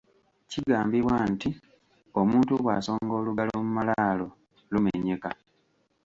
Kigambibwa nti omuntu bw'asonga olugalo mu malaalo, lumenyeka.